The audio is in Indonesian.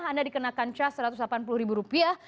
anda dikenakan cash satu ratus delapan puluh ribu rupiah